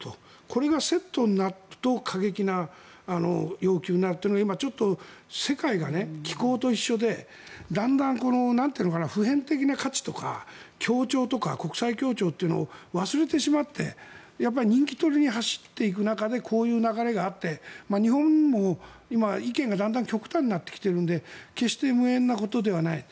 これがセットになると過激な要求になるというのは今、ちょっと世界が気候と一緒でだんだん、普遍的な価値とか国際協調とかっていうのを忘れてしまってやっぱり人気取りに走っていく中でこういう流れがあって日本も今、意見がだんだん極端になってきているんで決して無縁なことではない。